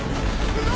うわ！